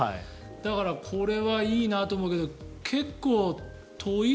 だからこれはいいなと思うけど結構遠い？